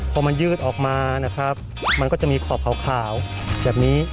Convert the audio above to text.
พอมันยืดออกมานะครับมันก็จะมีขอบขาวแบบนี้